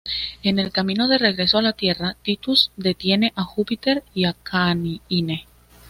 En el camino de regreso a la Tierra, Titus detiene a Júpiter y Caine.